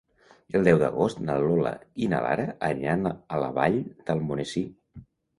El deu d'agost na Lola i na Lara aniran a la Vall d'Almonesir.